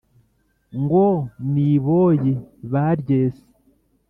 ngo n’iboyi baryese